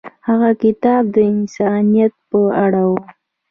هغه کتاب د انسانیت په اړه و.